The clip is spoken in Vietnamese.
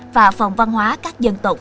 và phòng văn hóa các dân tộc